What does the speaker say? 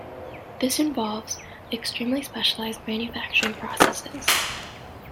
This involves extremely specialized manufacturing processes.